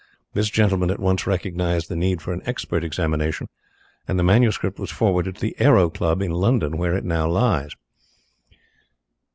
This gentleman at once recognized the need for an expert examination, and the manuscript was forwarded to the Aero Club in London, where it now lies.